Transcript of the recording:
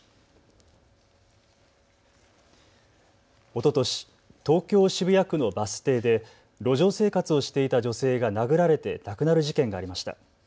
おととし、東京渋谷区のバス停で路上生活をしていた女性が殴られて亡くなる事件がありました。